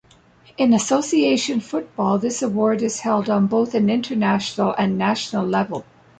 In association football, this award is held on both an international and national level.